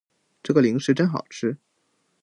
这个零食真好吃